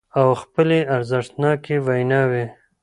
او خپلې ارزښتناکې ويناوې